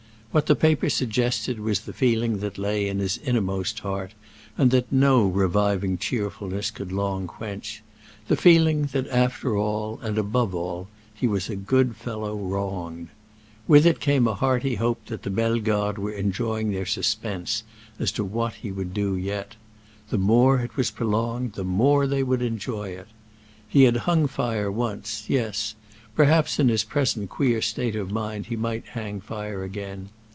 What the paper suggested was the feeling that lay in his innermost heart and that no reviving cheerfulness could long quench—the feeling that after all and above all he was a good fellow wronged. With it came a hearty hope that the Bellegardes were enjoying their suspense as to what he would do yet. The more it was prolonged the more they would enjoy it! He had hung fire once, yes; perhaps, in his present queer state of mind, he might hang fire again.